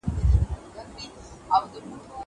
زه مخکي سبا ته فکر کړی و!!